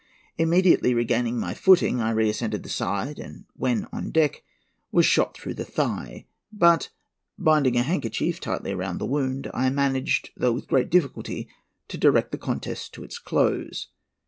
Immediately regaining my footing, I reascended the side, and, when on deck, was shot through the thigh. But, binding a handkerchief tightly round the wound, I managed, though with great difficulty, to direct the contest to its close.